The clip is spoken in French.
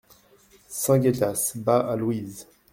SAINT-GUELTAS, bas, à Louise.